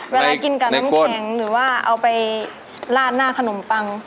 เวลากินกับน้ำแข็งหรือว่าเอาไปลาดหน้าขนมปัง